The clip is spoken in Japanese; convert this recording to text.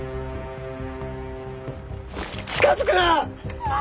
近づくな！